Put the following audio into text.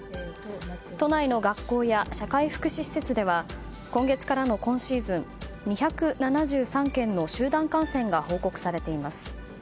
都内の学校や社会福祉施設では今月からの今シーズン２７３件の集団感染が報告されています。